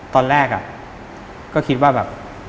ตอนแรกก็คิดว่าแบบ